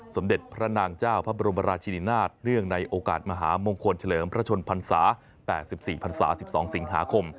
สมเด็จพระนางเจ้าพระบรมราชินินาศเนื่องในโอกาสมหามงคลเฉลิมพระชนพรรษา๘๔พันศา๑๒สิงหาคม